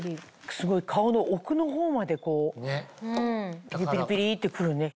すごい顔の奥のほうまでピリピリピリって来るね。